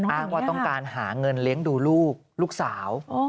อ้างว่าต้องการหาเงินเลี้ยงดูลูกลูกสาว